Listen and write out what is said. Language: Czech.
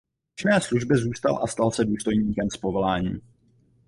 V činné službě zůstal a stal se důstojníkem z povolání.